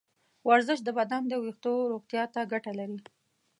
ورزش د بدن د ویښتو روغتیا ته ګټه لري.